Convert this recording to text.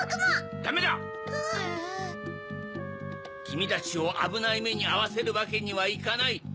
きみたちをあぶないめにあわせるわけにはいかない。